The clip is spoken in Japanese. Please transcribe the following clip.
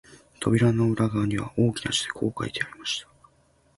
扉の裏側には、大きな字でこう書いてありました